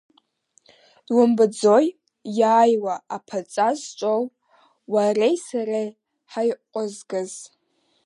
Думбаӡои иааиуа аԥаҵа зҿоу, уареи сареи ҳаиҟәызкыз?